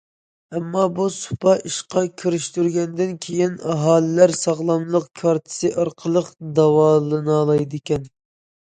ئامما بۇ سۇپا ئىشقا كىرىشتۈرۈلگەندىن كېيىن ئاھالىلەر ساغلاملىق كارتىسى ئارقىلىق داۋالىنالايدىكەن.